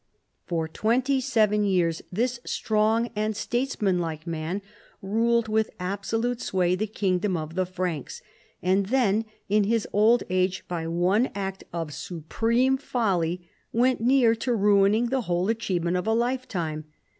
For twenty seven years this strong and statesman like man ruled with absolute sway the kingdom of the Franks, and then in his old age, by one act of supreme folly, went near to ruining the whole achievement of a lifetime.